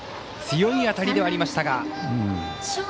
強い当たりではありましたが。